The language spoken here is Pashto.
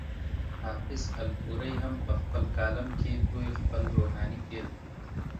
حافظ الپورۍ هم پۀ خپل کالم کې دوي خپل روحاني پير